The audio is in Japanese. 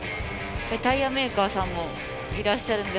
タイヤメーカーさんもいらっしゃるんで